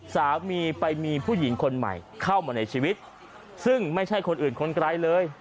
สามีไปมีผู้หญิงคนใหม่เข้ามาในชีวิตซึ่งไม่ใช่คนอื่นคนไกลเลย